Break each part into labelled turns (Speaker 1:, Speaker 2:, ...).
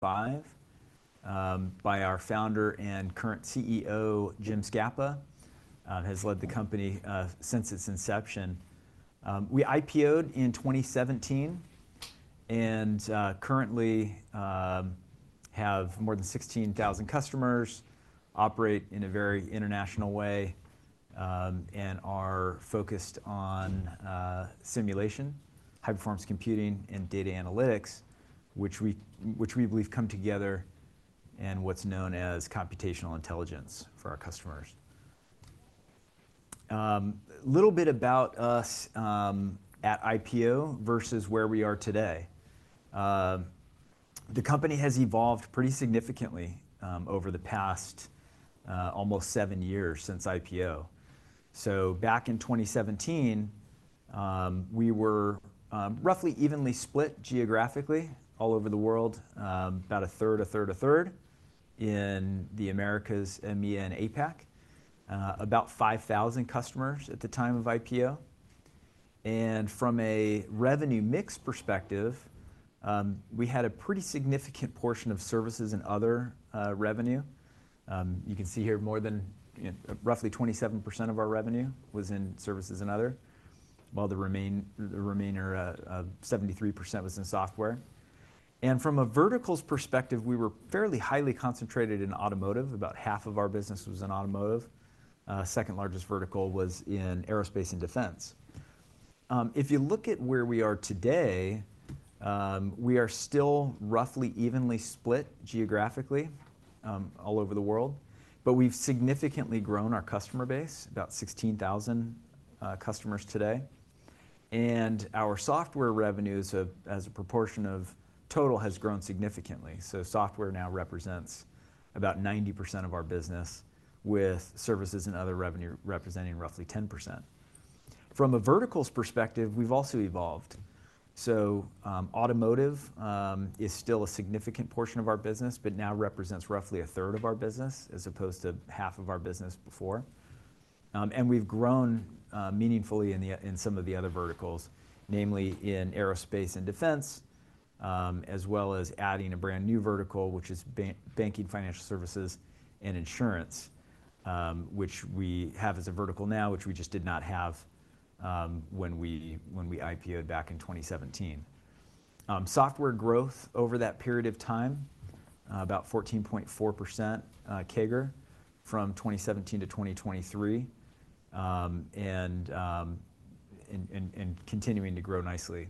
Speaker 1: 1985, by our founder and current CEO, Jim Scapa, has led the company since its inception. We IPO'd in 2017 and currently have more than 16,000 customers, operate in a very international way, and are focused on simulation, high-performance computing, and data analytics, which we believe come together in what's known as computational intelligence for our customers. A little bit about us at IPO versus where we are today. The company has evolved pretty significantly over the past almost seven years since IPO. So back in 2017, we were roughly evenly split geographically all over the world, about 1/3, 1/3, 1/3 in the Americas, EMEA, and APAC, about 5,000 customers at the time of IPO. And from a revenue mix perspective, we had a pretty significant portion of services and other revenue. You can see here more than roughly 27% of our revenue was in services and other, while the remaining 73% was in software. From a verticals perspective, we were fairly highly concentrated in automotive. About 1/2 of our business was in automotive. The second largest vertical was in aerospace and defense. If you look at where we are today, we are still roughly evenly split geographically all over the world, but we've significantly grown our customer base, about 16,000 customers today. Our software revenues, as a proportion of total, have grown significantly. Software now represents about 90% of our business, with services and other revenue representing roughly 10%. From a verticals perspective, we've also evolved. Automotive is still a significant portion of our business, but now represents roughly 1/3 of our business, as opposed to 1/2 of our business before. We've grown meaningfully in some of the other verticals, namely in aerospace and defense, as well as adding a brand new vertical, which is banking, financial services, and insurance, which we have as a vertical now, which we just did not have when we IPO'd back in 2017. Software growth over that period of time, about 14.4% CAGR from 2017 to 2023, and continuing to grow nicely.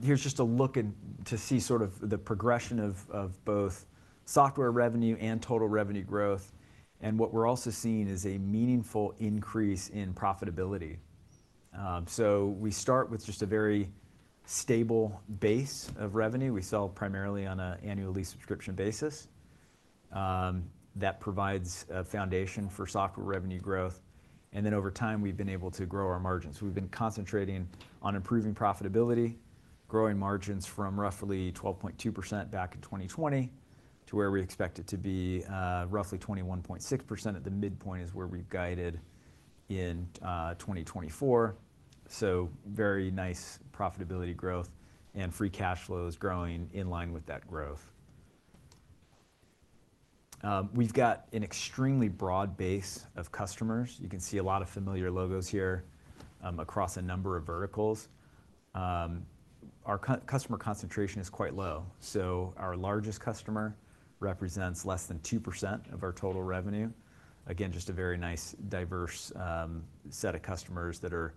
Speaker 1: Here's just a look to see sort of the progression of both software revenue and total revenue growth. What we're also seeing is a meaningful increase in profitability. We start with just a very stable base of revenue. We sell primarily on an annual lease subscription basis. That provides a foundation for software revenue growth. Then over time, we've been able to grow our margins. We've been concentrating on improving profitability, growing margins from roughly 12.2% back in 2020 to where we expect it to be roughly 21.6% at the midpoint is where we've guided in 2024. So very nice profitability growth and free cash flows growing in line with that growth. We've got an extremely broad base of customers. You can see a lot of familiar logos here across a number of verticals. Our customer concentration is quite low. So our largest customer represents less than 2% of our total revenue. Again, just a very nice diverse set of customers that are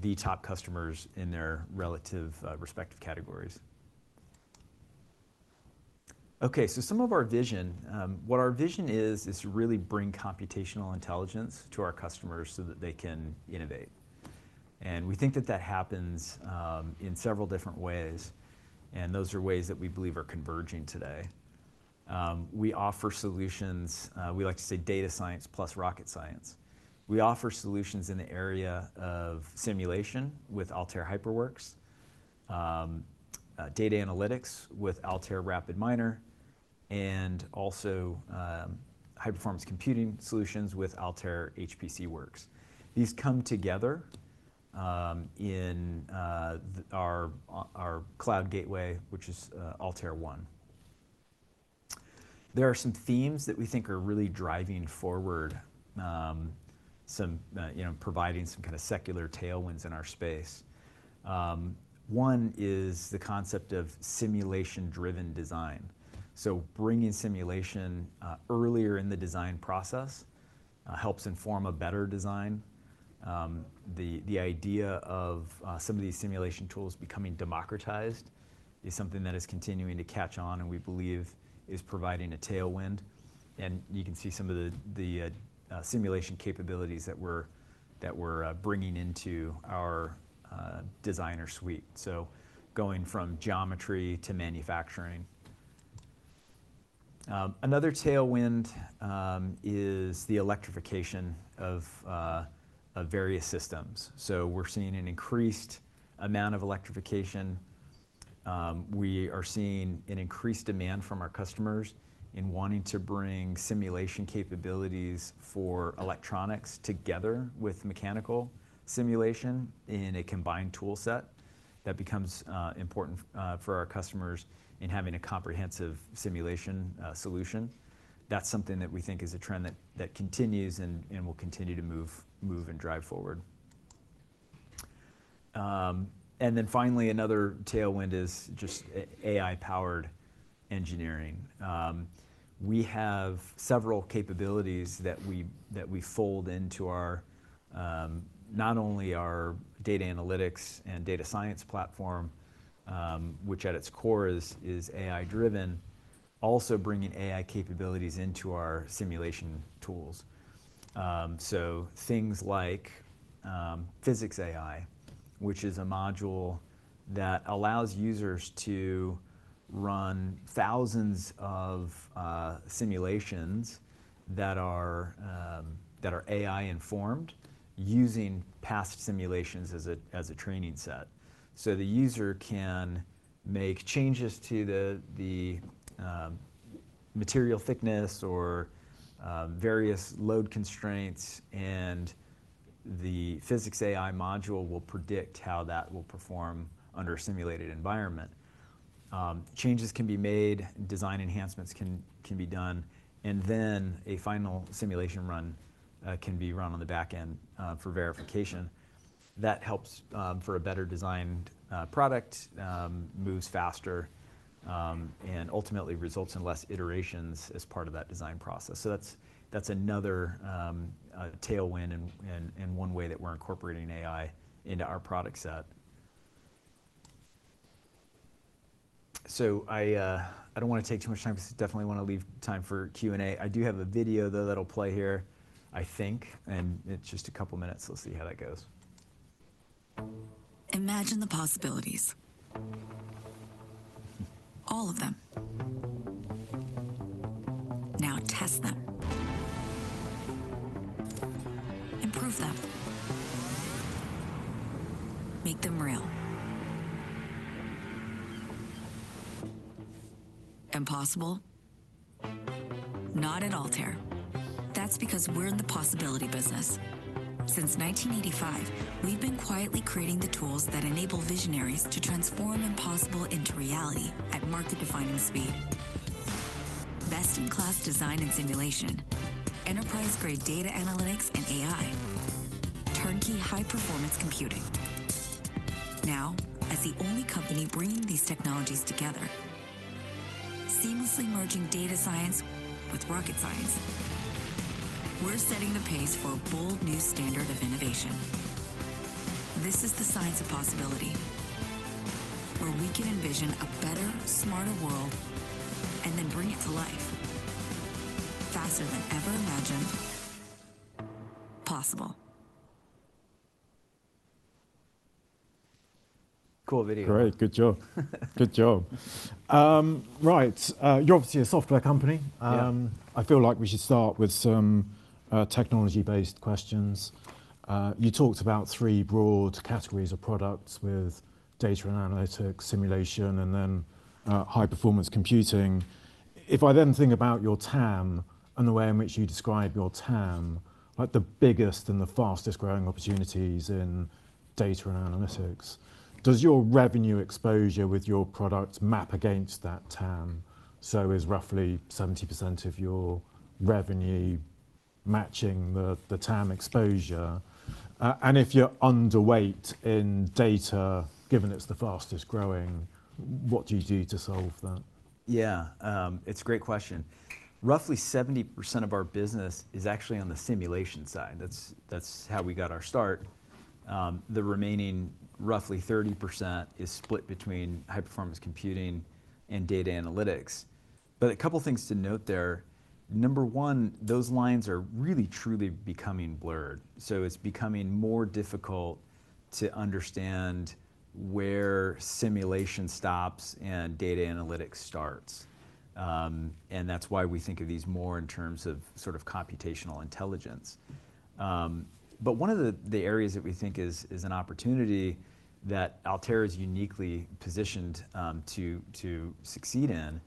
Speaker 1: the top customers in their respective categories. Okay, so some of our vision, what our vision is, is to really bring computational intelligence to our customers so that they can innovate. And we think that that happens in several different ways. And those are ways that we believe are converging today. We offer solutions, we like to say data science plus rocket science. We offer solutions in the area of simulation with Altair HyperWorks, data analytics with Altair RapidMiner, and also high-performance computing solutions with Altair HPCWorks. These come together in our cloud gateway, which is Altair One. There are some themes that we think are really driving forward, providing some kind of secular tailwinds in our space. One is the concept of simulation-driven design. So bringing simulation earlier in the design process helps inform a better design. The idea of some of these simulation tools becoming democratized is something that is continuing to catch on and we believe is providing a tailwind. And you can see some of the simulation capabilities that we're bringing into our designer suite. So going from geometry to manufacturing. Another tailwind is the electrification of various systems. So we're seeing an increased amount of electrification. We are seeing an increased demand from our customers in wanting to bring simulation capabilities for electronics together with mechanical simulation in a combined toolset that becomes important for our customers in having a comprehensive simulation solution. That's something that we think is a trend that continues and will continue to move and drive forward. And then finally, another tailwind is just AI-powered engineering. We have several capabilities that we fold into not only our data analytics and data science platform, which at its core is AI-driven, also bringing AI capabilities into our simulation tools. So things like PhysicsAI, which is a module that allows users to run thousands of simulations that are AI-informed using past simulations as a training set. So the user can make changes to the material thickness or various load constraints, and the PhysicsAI module will predict how that will perform under a simulated environment. Changes can be made, design enhancements can be done, and then a final simulation run can be run on the back end for verification. That helps for a better designed product, moves faster, and ultimately results in less iterations as part of that design process. So that's another tailwind and one way that we're incorporating AI into our product set. So I don't want to take too much time. I definitely want to leave time for Q&A. I do have a video, though, that'll play here, I think, and it's just a couple of minutes. We'll see how that goes.
Speaker 2: Imagine the possibilities. All of them. Now test them. Improve them. Make them real. Impossible? Not at Altair. That's because we're in the possibility business. Since 1985, we've been quietly creating the tools that enable visionaries to transform impossible into reality at market-defining speed. Best-in-class design and simulation. Enterprise-grade data analytics and AI. Turnkey high-performance computing. Now, as the only company bringing these technologies together, seamlessly merging data science with rocket science, we're setting the pace for a bold new standard of innovation. This is the science of possibility, where we can envision a better, smarter world and then bring it to life faster than ever imagined. Possible.
Speaker 1: Cool video.
Speaker 3: Great. Good job. Good job. Right. You're obviously a software company. I feel like we should start with some technology-based questions. You talked about three broad categories of products with data and analytics, simulation, and then high-performance computing. If I then think about your TAM and the way in which you describe your TAM, like the biggest and the fastest growing opportunities in data and analytics, does your revenue exposure with your product map against that TAM? So is roughly 70% of your revenue matching the TAM exposure? And if you're underweight in data, given it's the fastest growing, what do you do to solve that?
Speaker 1: Yeah, it's a great question. Roughly 70% of our business is actually on the simulation side. That's how we got our start. The remaining roughly 30% is split between high-performance computing and data analytics. But a couple of things to note there. Number one, those lines are really, truly becoming blurred. So it's becoming more difficult to understand where simulation stops and data analytics starts. And that's why we think of these more in terms of sort of computational intelligence. But one of the areas that we think is an opportunity that Altair is uniquely positioned to succeed in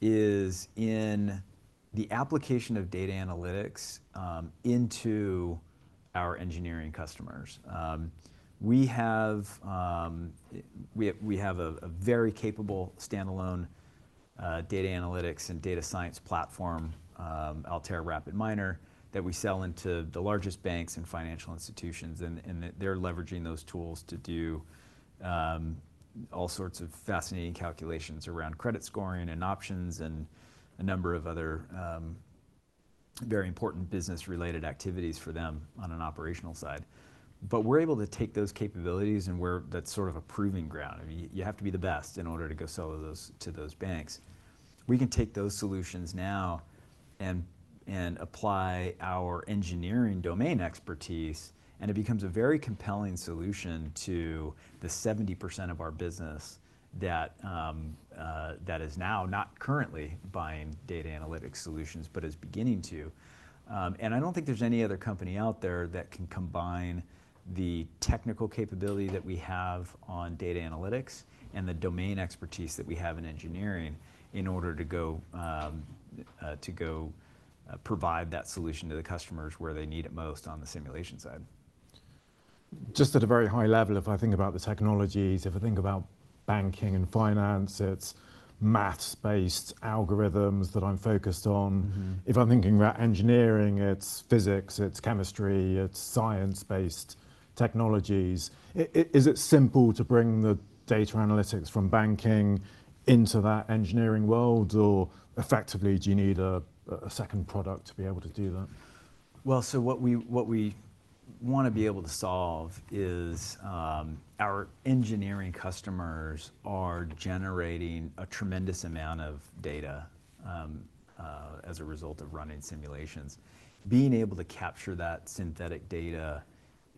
Speaker 1: is in the application of data analytics into our engineering customers. We have a very capable standalone data analytics and data science platform, Altair RapidMiner, that we sell into the largest banks and financial institutions. They're leveraging those tools to do all sorts of fascinating calculations around credit scoring and options and a number of other very important business-related activities for them on an operational side. We're able to take those capabilities, and that's sort of a proving ground. You have to be the best in order to go sell to those banks. We can take those solutions now and apply our engineering domain expertise, and it becomes a very compelling solution to the 70% of our business that is now not currently buying data analytics solutions, but is beginning to. I don't think there's any other company out there that can combine the technical capability that we have on data analytics and the domain expertise that we have in engineering in order to provide that solution to the customers where they need it most on the simulation side.
Speaker 3: Just at a very high level, if I think about the technologies, if I think about banking and finance, it's math-based algorithms that I'm focused on. If I'm thinking about engineering, it's physics, it's chemistry, it's science-based technologies. Is it simple to bring the data analytics from banking into that engineering world, or effectively, do you need a second product to be able to do that?
Speaker 1: Well, so what we want to be able to solve is our engineering customers are generating a tremendous amount of data as a result of running simulations. Being able to capture that synthetic data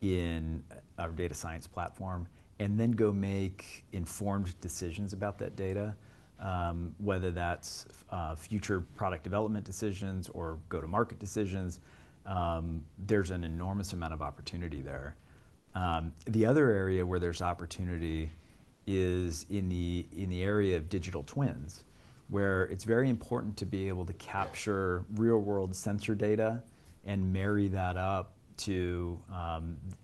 Speaker 1: in our data science platform and then go make informed decisions about that data, whether that's future product development decisions or go-to-market decisions, there's an enormous amount of opportunity there. The other area where there's opportunity is in the area of digital twins, where it's very important to be able to capture real-world sensor data and marry that up to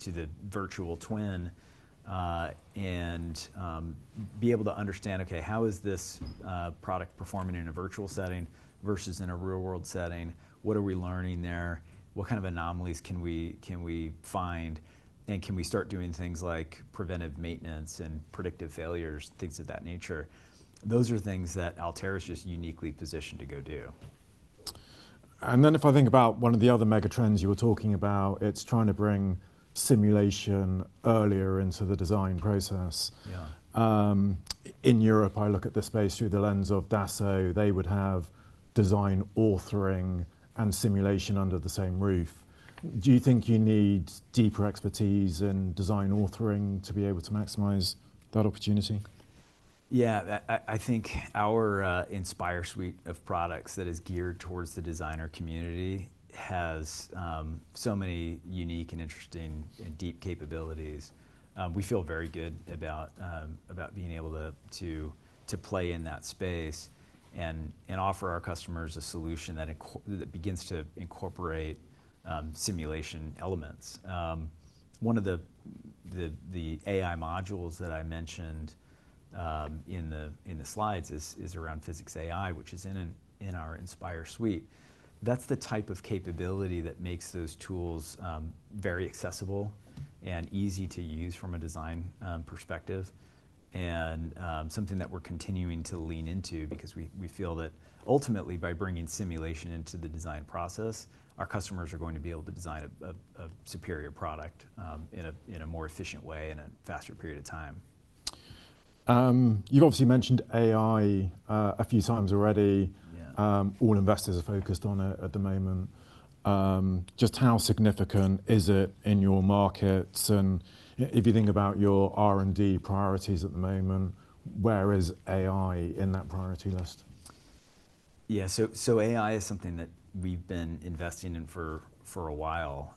Speaker 1: the virtual twin and be able to understand, okay, how is this product performing in a virtual setting versus in a real-world setting? What are we learning there? What kind of anomalies can we find? And can we start doing things like preventive maintenance and predictive failures, things of that nature? Those are things that Altair is just uniquely positioned to go do.
Speaker 3: And then if I think about one of the other megatrends you were talking about, it's trying to bring simulation earlier into the design process. In Europe, I look at the space through the lens of Dassault. They would have design authoring and simulation under the same roof. Do you think you need deeper expertise in design authoring to be able to maximize that opportunity?
Speaker 1: Yeah, I think our Inspire suite of products that is geared towards the designer community has so many unique and interesting and deep capabilities. We feel very good about being able to play in that space and offer our customers a solution that begins to incorporate simulation elements. One of the AI modules that I mentioned in the slides is around PhysicsAI, which is in our Inspire suite. That's the type of capability that makes those tools very accessible and easy to use from a design perspective. And something that we're continuing to lean into because we feel that ultimately, by bringing simulation into the design process, our customers are going to be able to design a superior product in a more efficient way in a faster period of time.
Speaker 3: You've obviously mentioned AI a few times already. All investors are focused on it at the moment. Just how significant is it in your markets? And if you think about your R&D priorities at the moment, where is AI in that priority list?
Speaker 1: Yeah, so AI is something that we've been investing in for a while,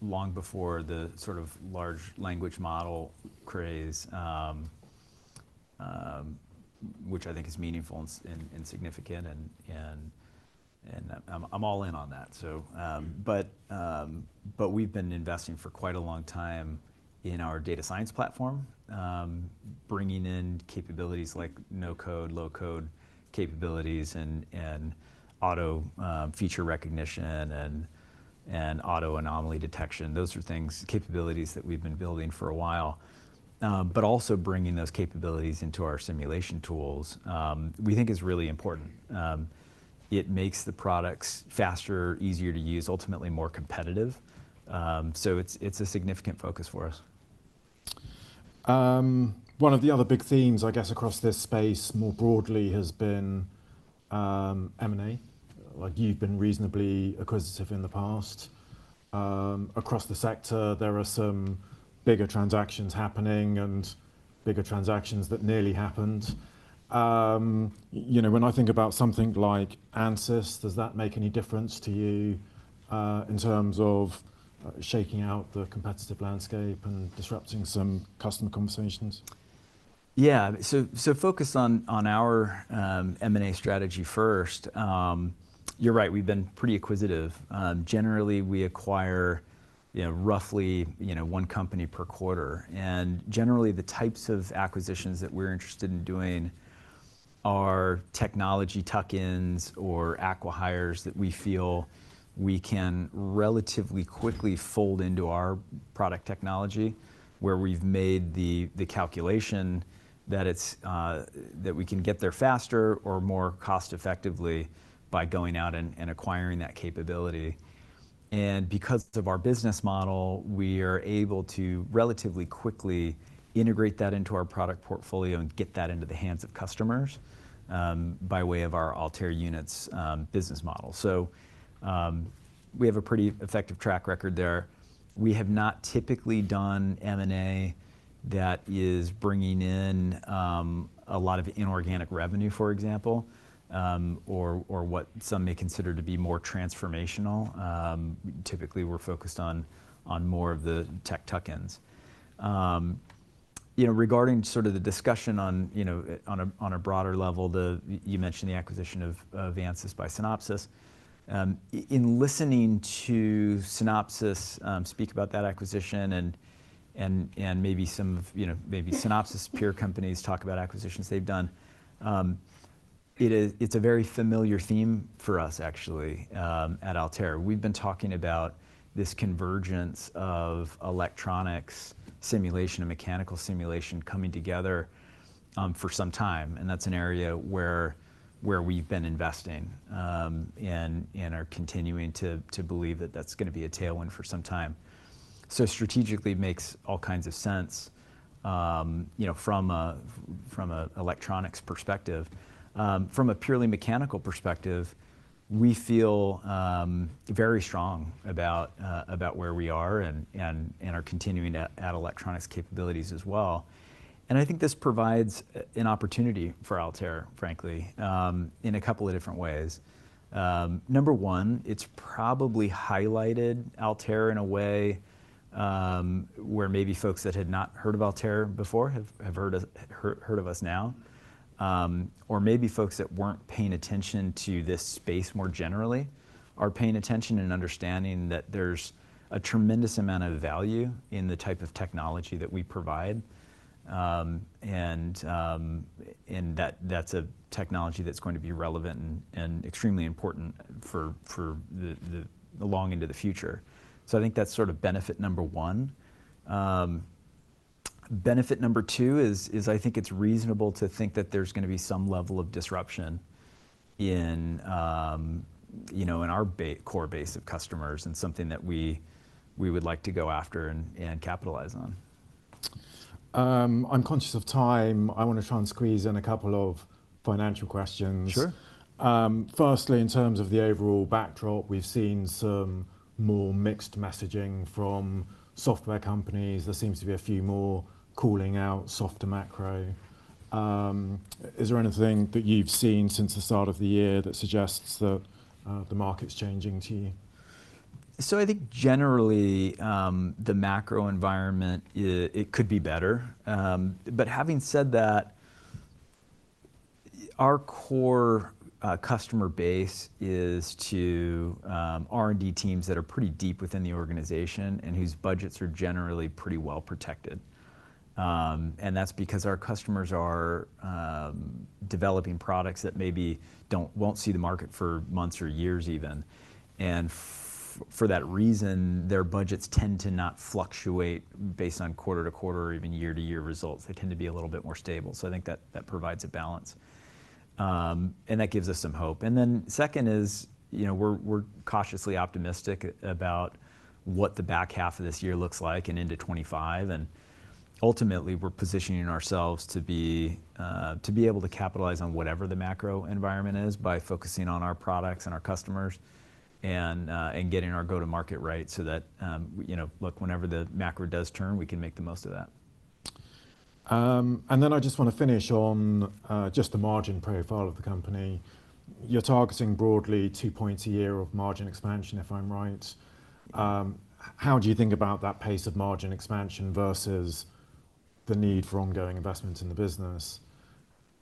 Speaker 1: long before the sort of large language model craze, which I think is meaningful and significant. I'm all in on that. We've been investing for quite a long time in our data science platform, bringing in capabilities like no-code, low-code capabilities, and auto feature recognition and auto anomaly detection. Those are things, capabilities that we've been building for a while. Also bringing those capabilities into our simulation tools, we think is really important. It makes the products faster, easier to use, ultimately more competitive. It's a significant focus for us.
Speaker 3: One of the other big themes, I guess, across this space more broadly has been M&A. Like you've been reasonably acquisitive in the past. Across the sector, there are some bigger transactions happening and bigger transactions that nearly happened. When I think about something like Ansys, does that make any difference to you in terms of shaking out the competitive landscape and disrupting some customer conversations?
Speaker 1: Yeah, so focus on our M&A strategy first. You're right, we've been pretty acquisitive. Generally, we acquire roughly one company per quarter. And generally, the types of acquisitions that we're interested in doing are technology tuck-ins or acquihires that we feel we can relatively quickly fold into our product technology, where we've made the calculation that we can get there faster or more cost-effectively by going out and acquiring that capability. And because of our business model, we are able to relatively quickly integrate that into our product portfolio and get that into the hands of customers by way of our Altair Units business model. So we have a pretty effective track record there. We have not typically done M&A that is bringing in a lot of inorganic revenue, for example, or what some may consider to be more transformational. Typically, we're focused on more of the tech tuck-ins. Regarding sort of the discussion on a broader level, you mentioned the acquisition of Ansys by Synopsys. In listening to Synopsys speak about that acquisition and maybe some of Synopsys' peer companies talk about acquisitions they've done, it's a very familiar theme for us, actually, at Altair. We've been talking about this convergence of electronics, simulation, and mechanical simulation coming together for some time. And that's an area where we've been investing and are continuing to believe that that's going to be a tailwind for some time. So strategically, it makes all kinds of sense from an electronics perspective. From a purely mechanical perspective, we feel very strong about where we are and are continuing to add electronics capabilities as well. And I think this provides an opportunity for Altair, frankly, in a couple of different ways. Number one, it's probably highlighted Altair in a way where maybe folks that had not heard of Altair before have heard of us now. Or maybe folks that weren't paying attention to this space more generally are paying attention and understanding that there's a tremendous amount of value in the type of technology that we provide. And that's a technology that's going to be relevant and extremely important for the long into the future. So I think that's sort of benefit number one. Benefit number two is I think it's reasonable to think that there's going to be some level of disruption in our core base of customers and something that we would like to go after and capitalize on.
Speaker 3: I'm conscious of time. I want to try and squeeze in a couple of financial questions. Firstly, in terms of the overall backdrop, we've seen some more mixed messaging from software companies. There seems to be a few more calling out softer macro. Is there anything that you've seen since the start of the year that suggests that the market's changing to you?
Speaker 1: So I think generally, the macro environment, it could be better. But having said that, our core customer base is to R&D teams that are pretty deep within the organization and whose budgets are generally pretty well protected. And that's because our customers are developing products that maybe won't see the market for months or years even. And for that reason, their budgets tend to not fluctuate based on quarter to quarter or even year to year results. They tend to be a little bit more stable. So I think that provides a balance. And that gives us some hope. And then second is we're cautiously optimistic about what the back half of this year looks like and into 2025. Ultimately, we're positioning ourselves to be able to capitalize on whatever the macro environment is by focusing on our products and our customers and getting our go-to-market right so that, look, whenever the macro does turn, we can make the most of that.
Speaker 3: And then I just want to finish on just the margin profile of the company. You're targeting broadly two points a year of margin expansion, if I'm right. How do you think about that pace of margin expansion versus the need for ongoing investment in the business?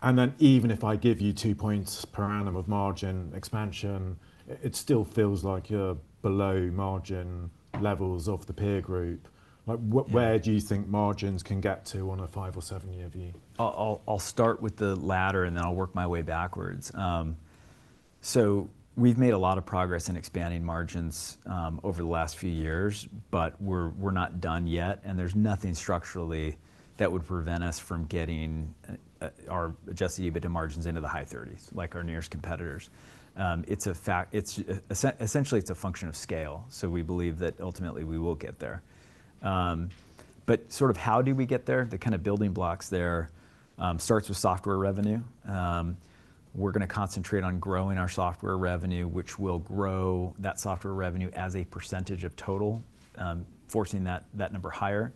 Speaker 3: And then even if I give you two points per annum of margin expansion, it still feels like you're below margin levels of the peer group. Where do you think margins can get to on a five- or seven-year view?
Speaker 1: I'll start with the latter, and then I'll work my way backwards. So we've made a lot of progress in expanding margins over the last few years, but we're not done yet. And there's nothing structurally that would prevent us from getting our adjusted EBITDA margins into the high 30s, like our nearest competitors. Essentially, it's a function of scale. So we believe that ultimately we will get there. But sort of how do we get there? The kind of building blocks there starts with software revenue. We're going to concentrate on growing our software revenue, which will grow that software revenue as a percentage of total, forcing that number higher,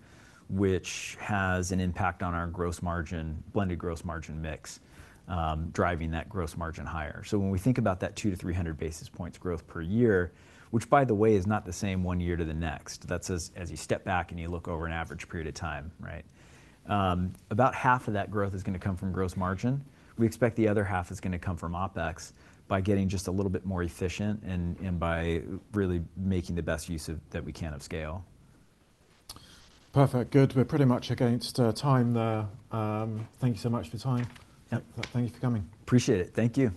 Speaker 1: which has an impact on our blended gross margin mix, driving that gross margin higher. So when we think about that 200-300 basis points growth per year, which, by the way, is not the same one year to the next. That's as you step back and you look over an average period of time. About half of that growth is going to come from gross margin. We expect the other half is going to come from OpEx by getting just a little bit more efficient and by really making the best use that we can of scale.
Speaker 3: Perfect. Good. We're pretty much against time there. Thank you so much for your time. Thank you for coming.
Speaker 1: Appreciate it. Thank you.